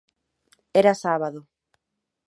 Era sábado.